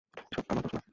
এসব আমার দোষ না!